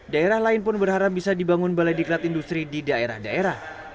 daerah lain pun berharap bisa dibangun balai diklat industri di daerah daerah